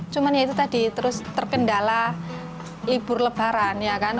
cuman ya itu tadi terus terkendala libur lebaran ya kan